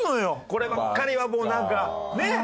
こればっかりはもうなんかねえ？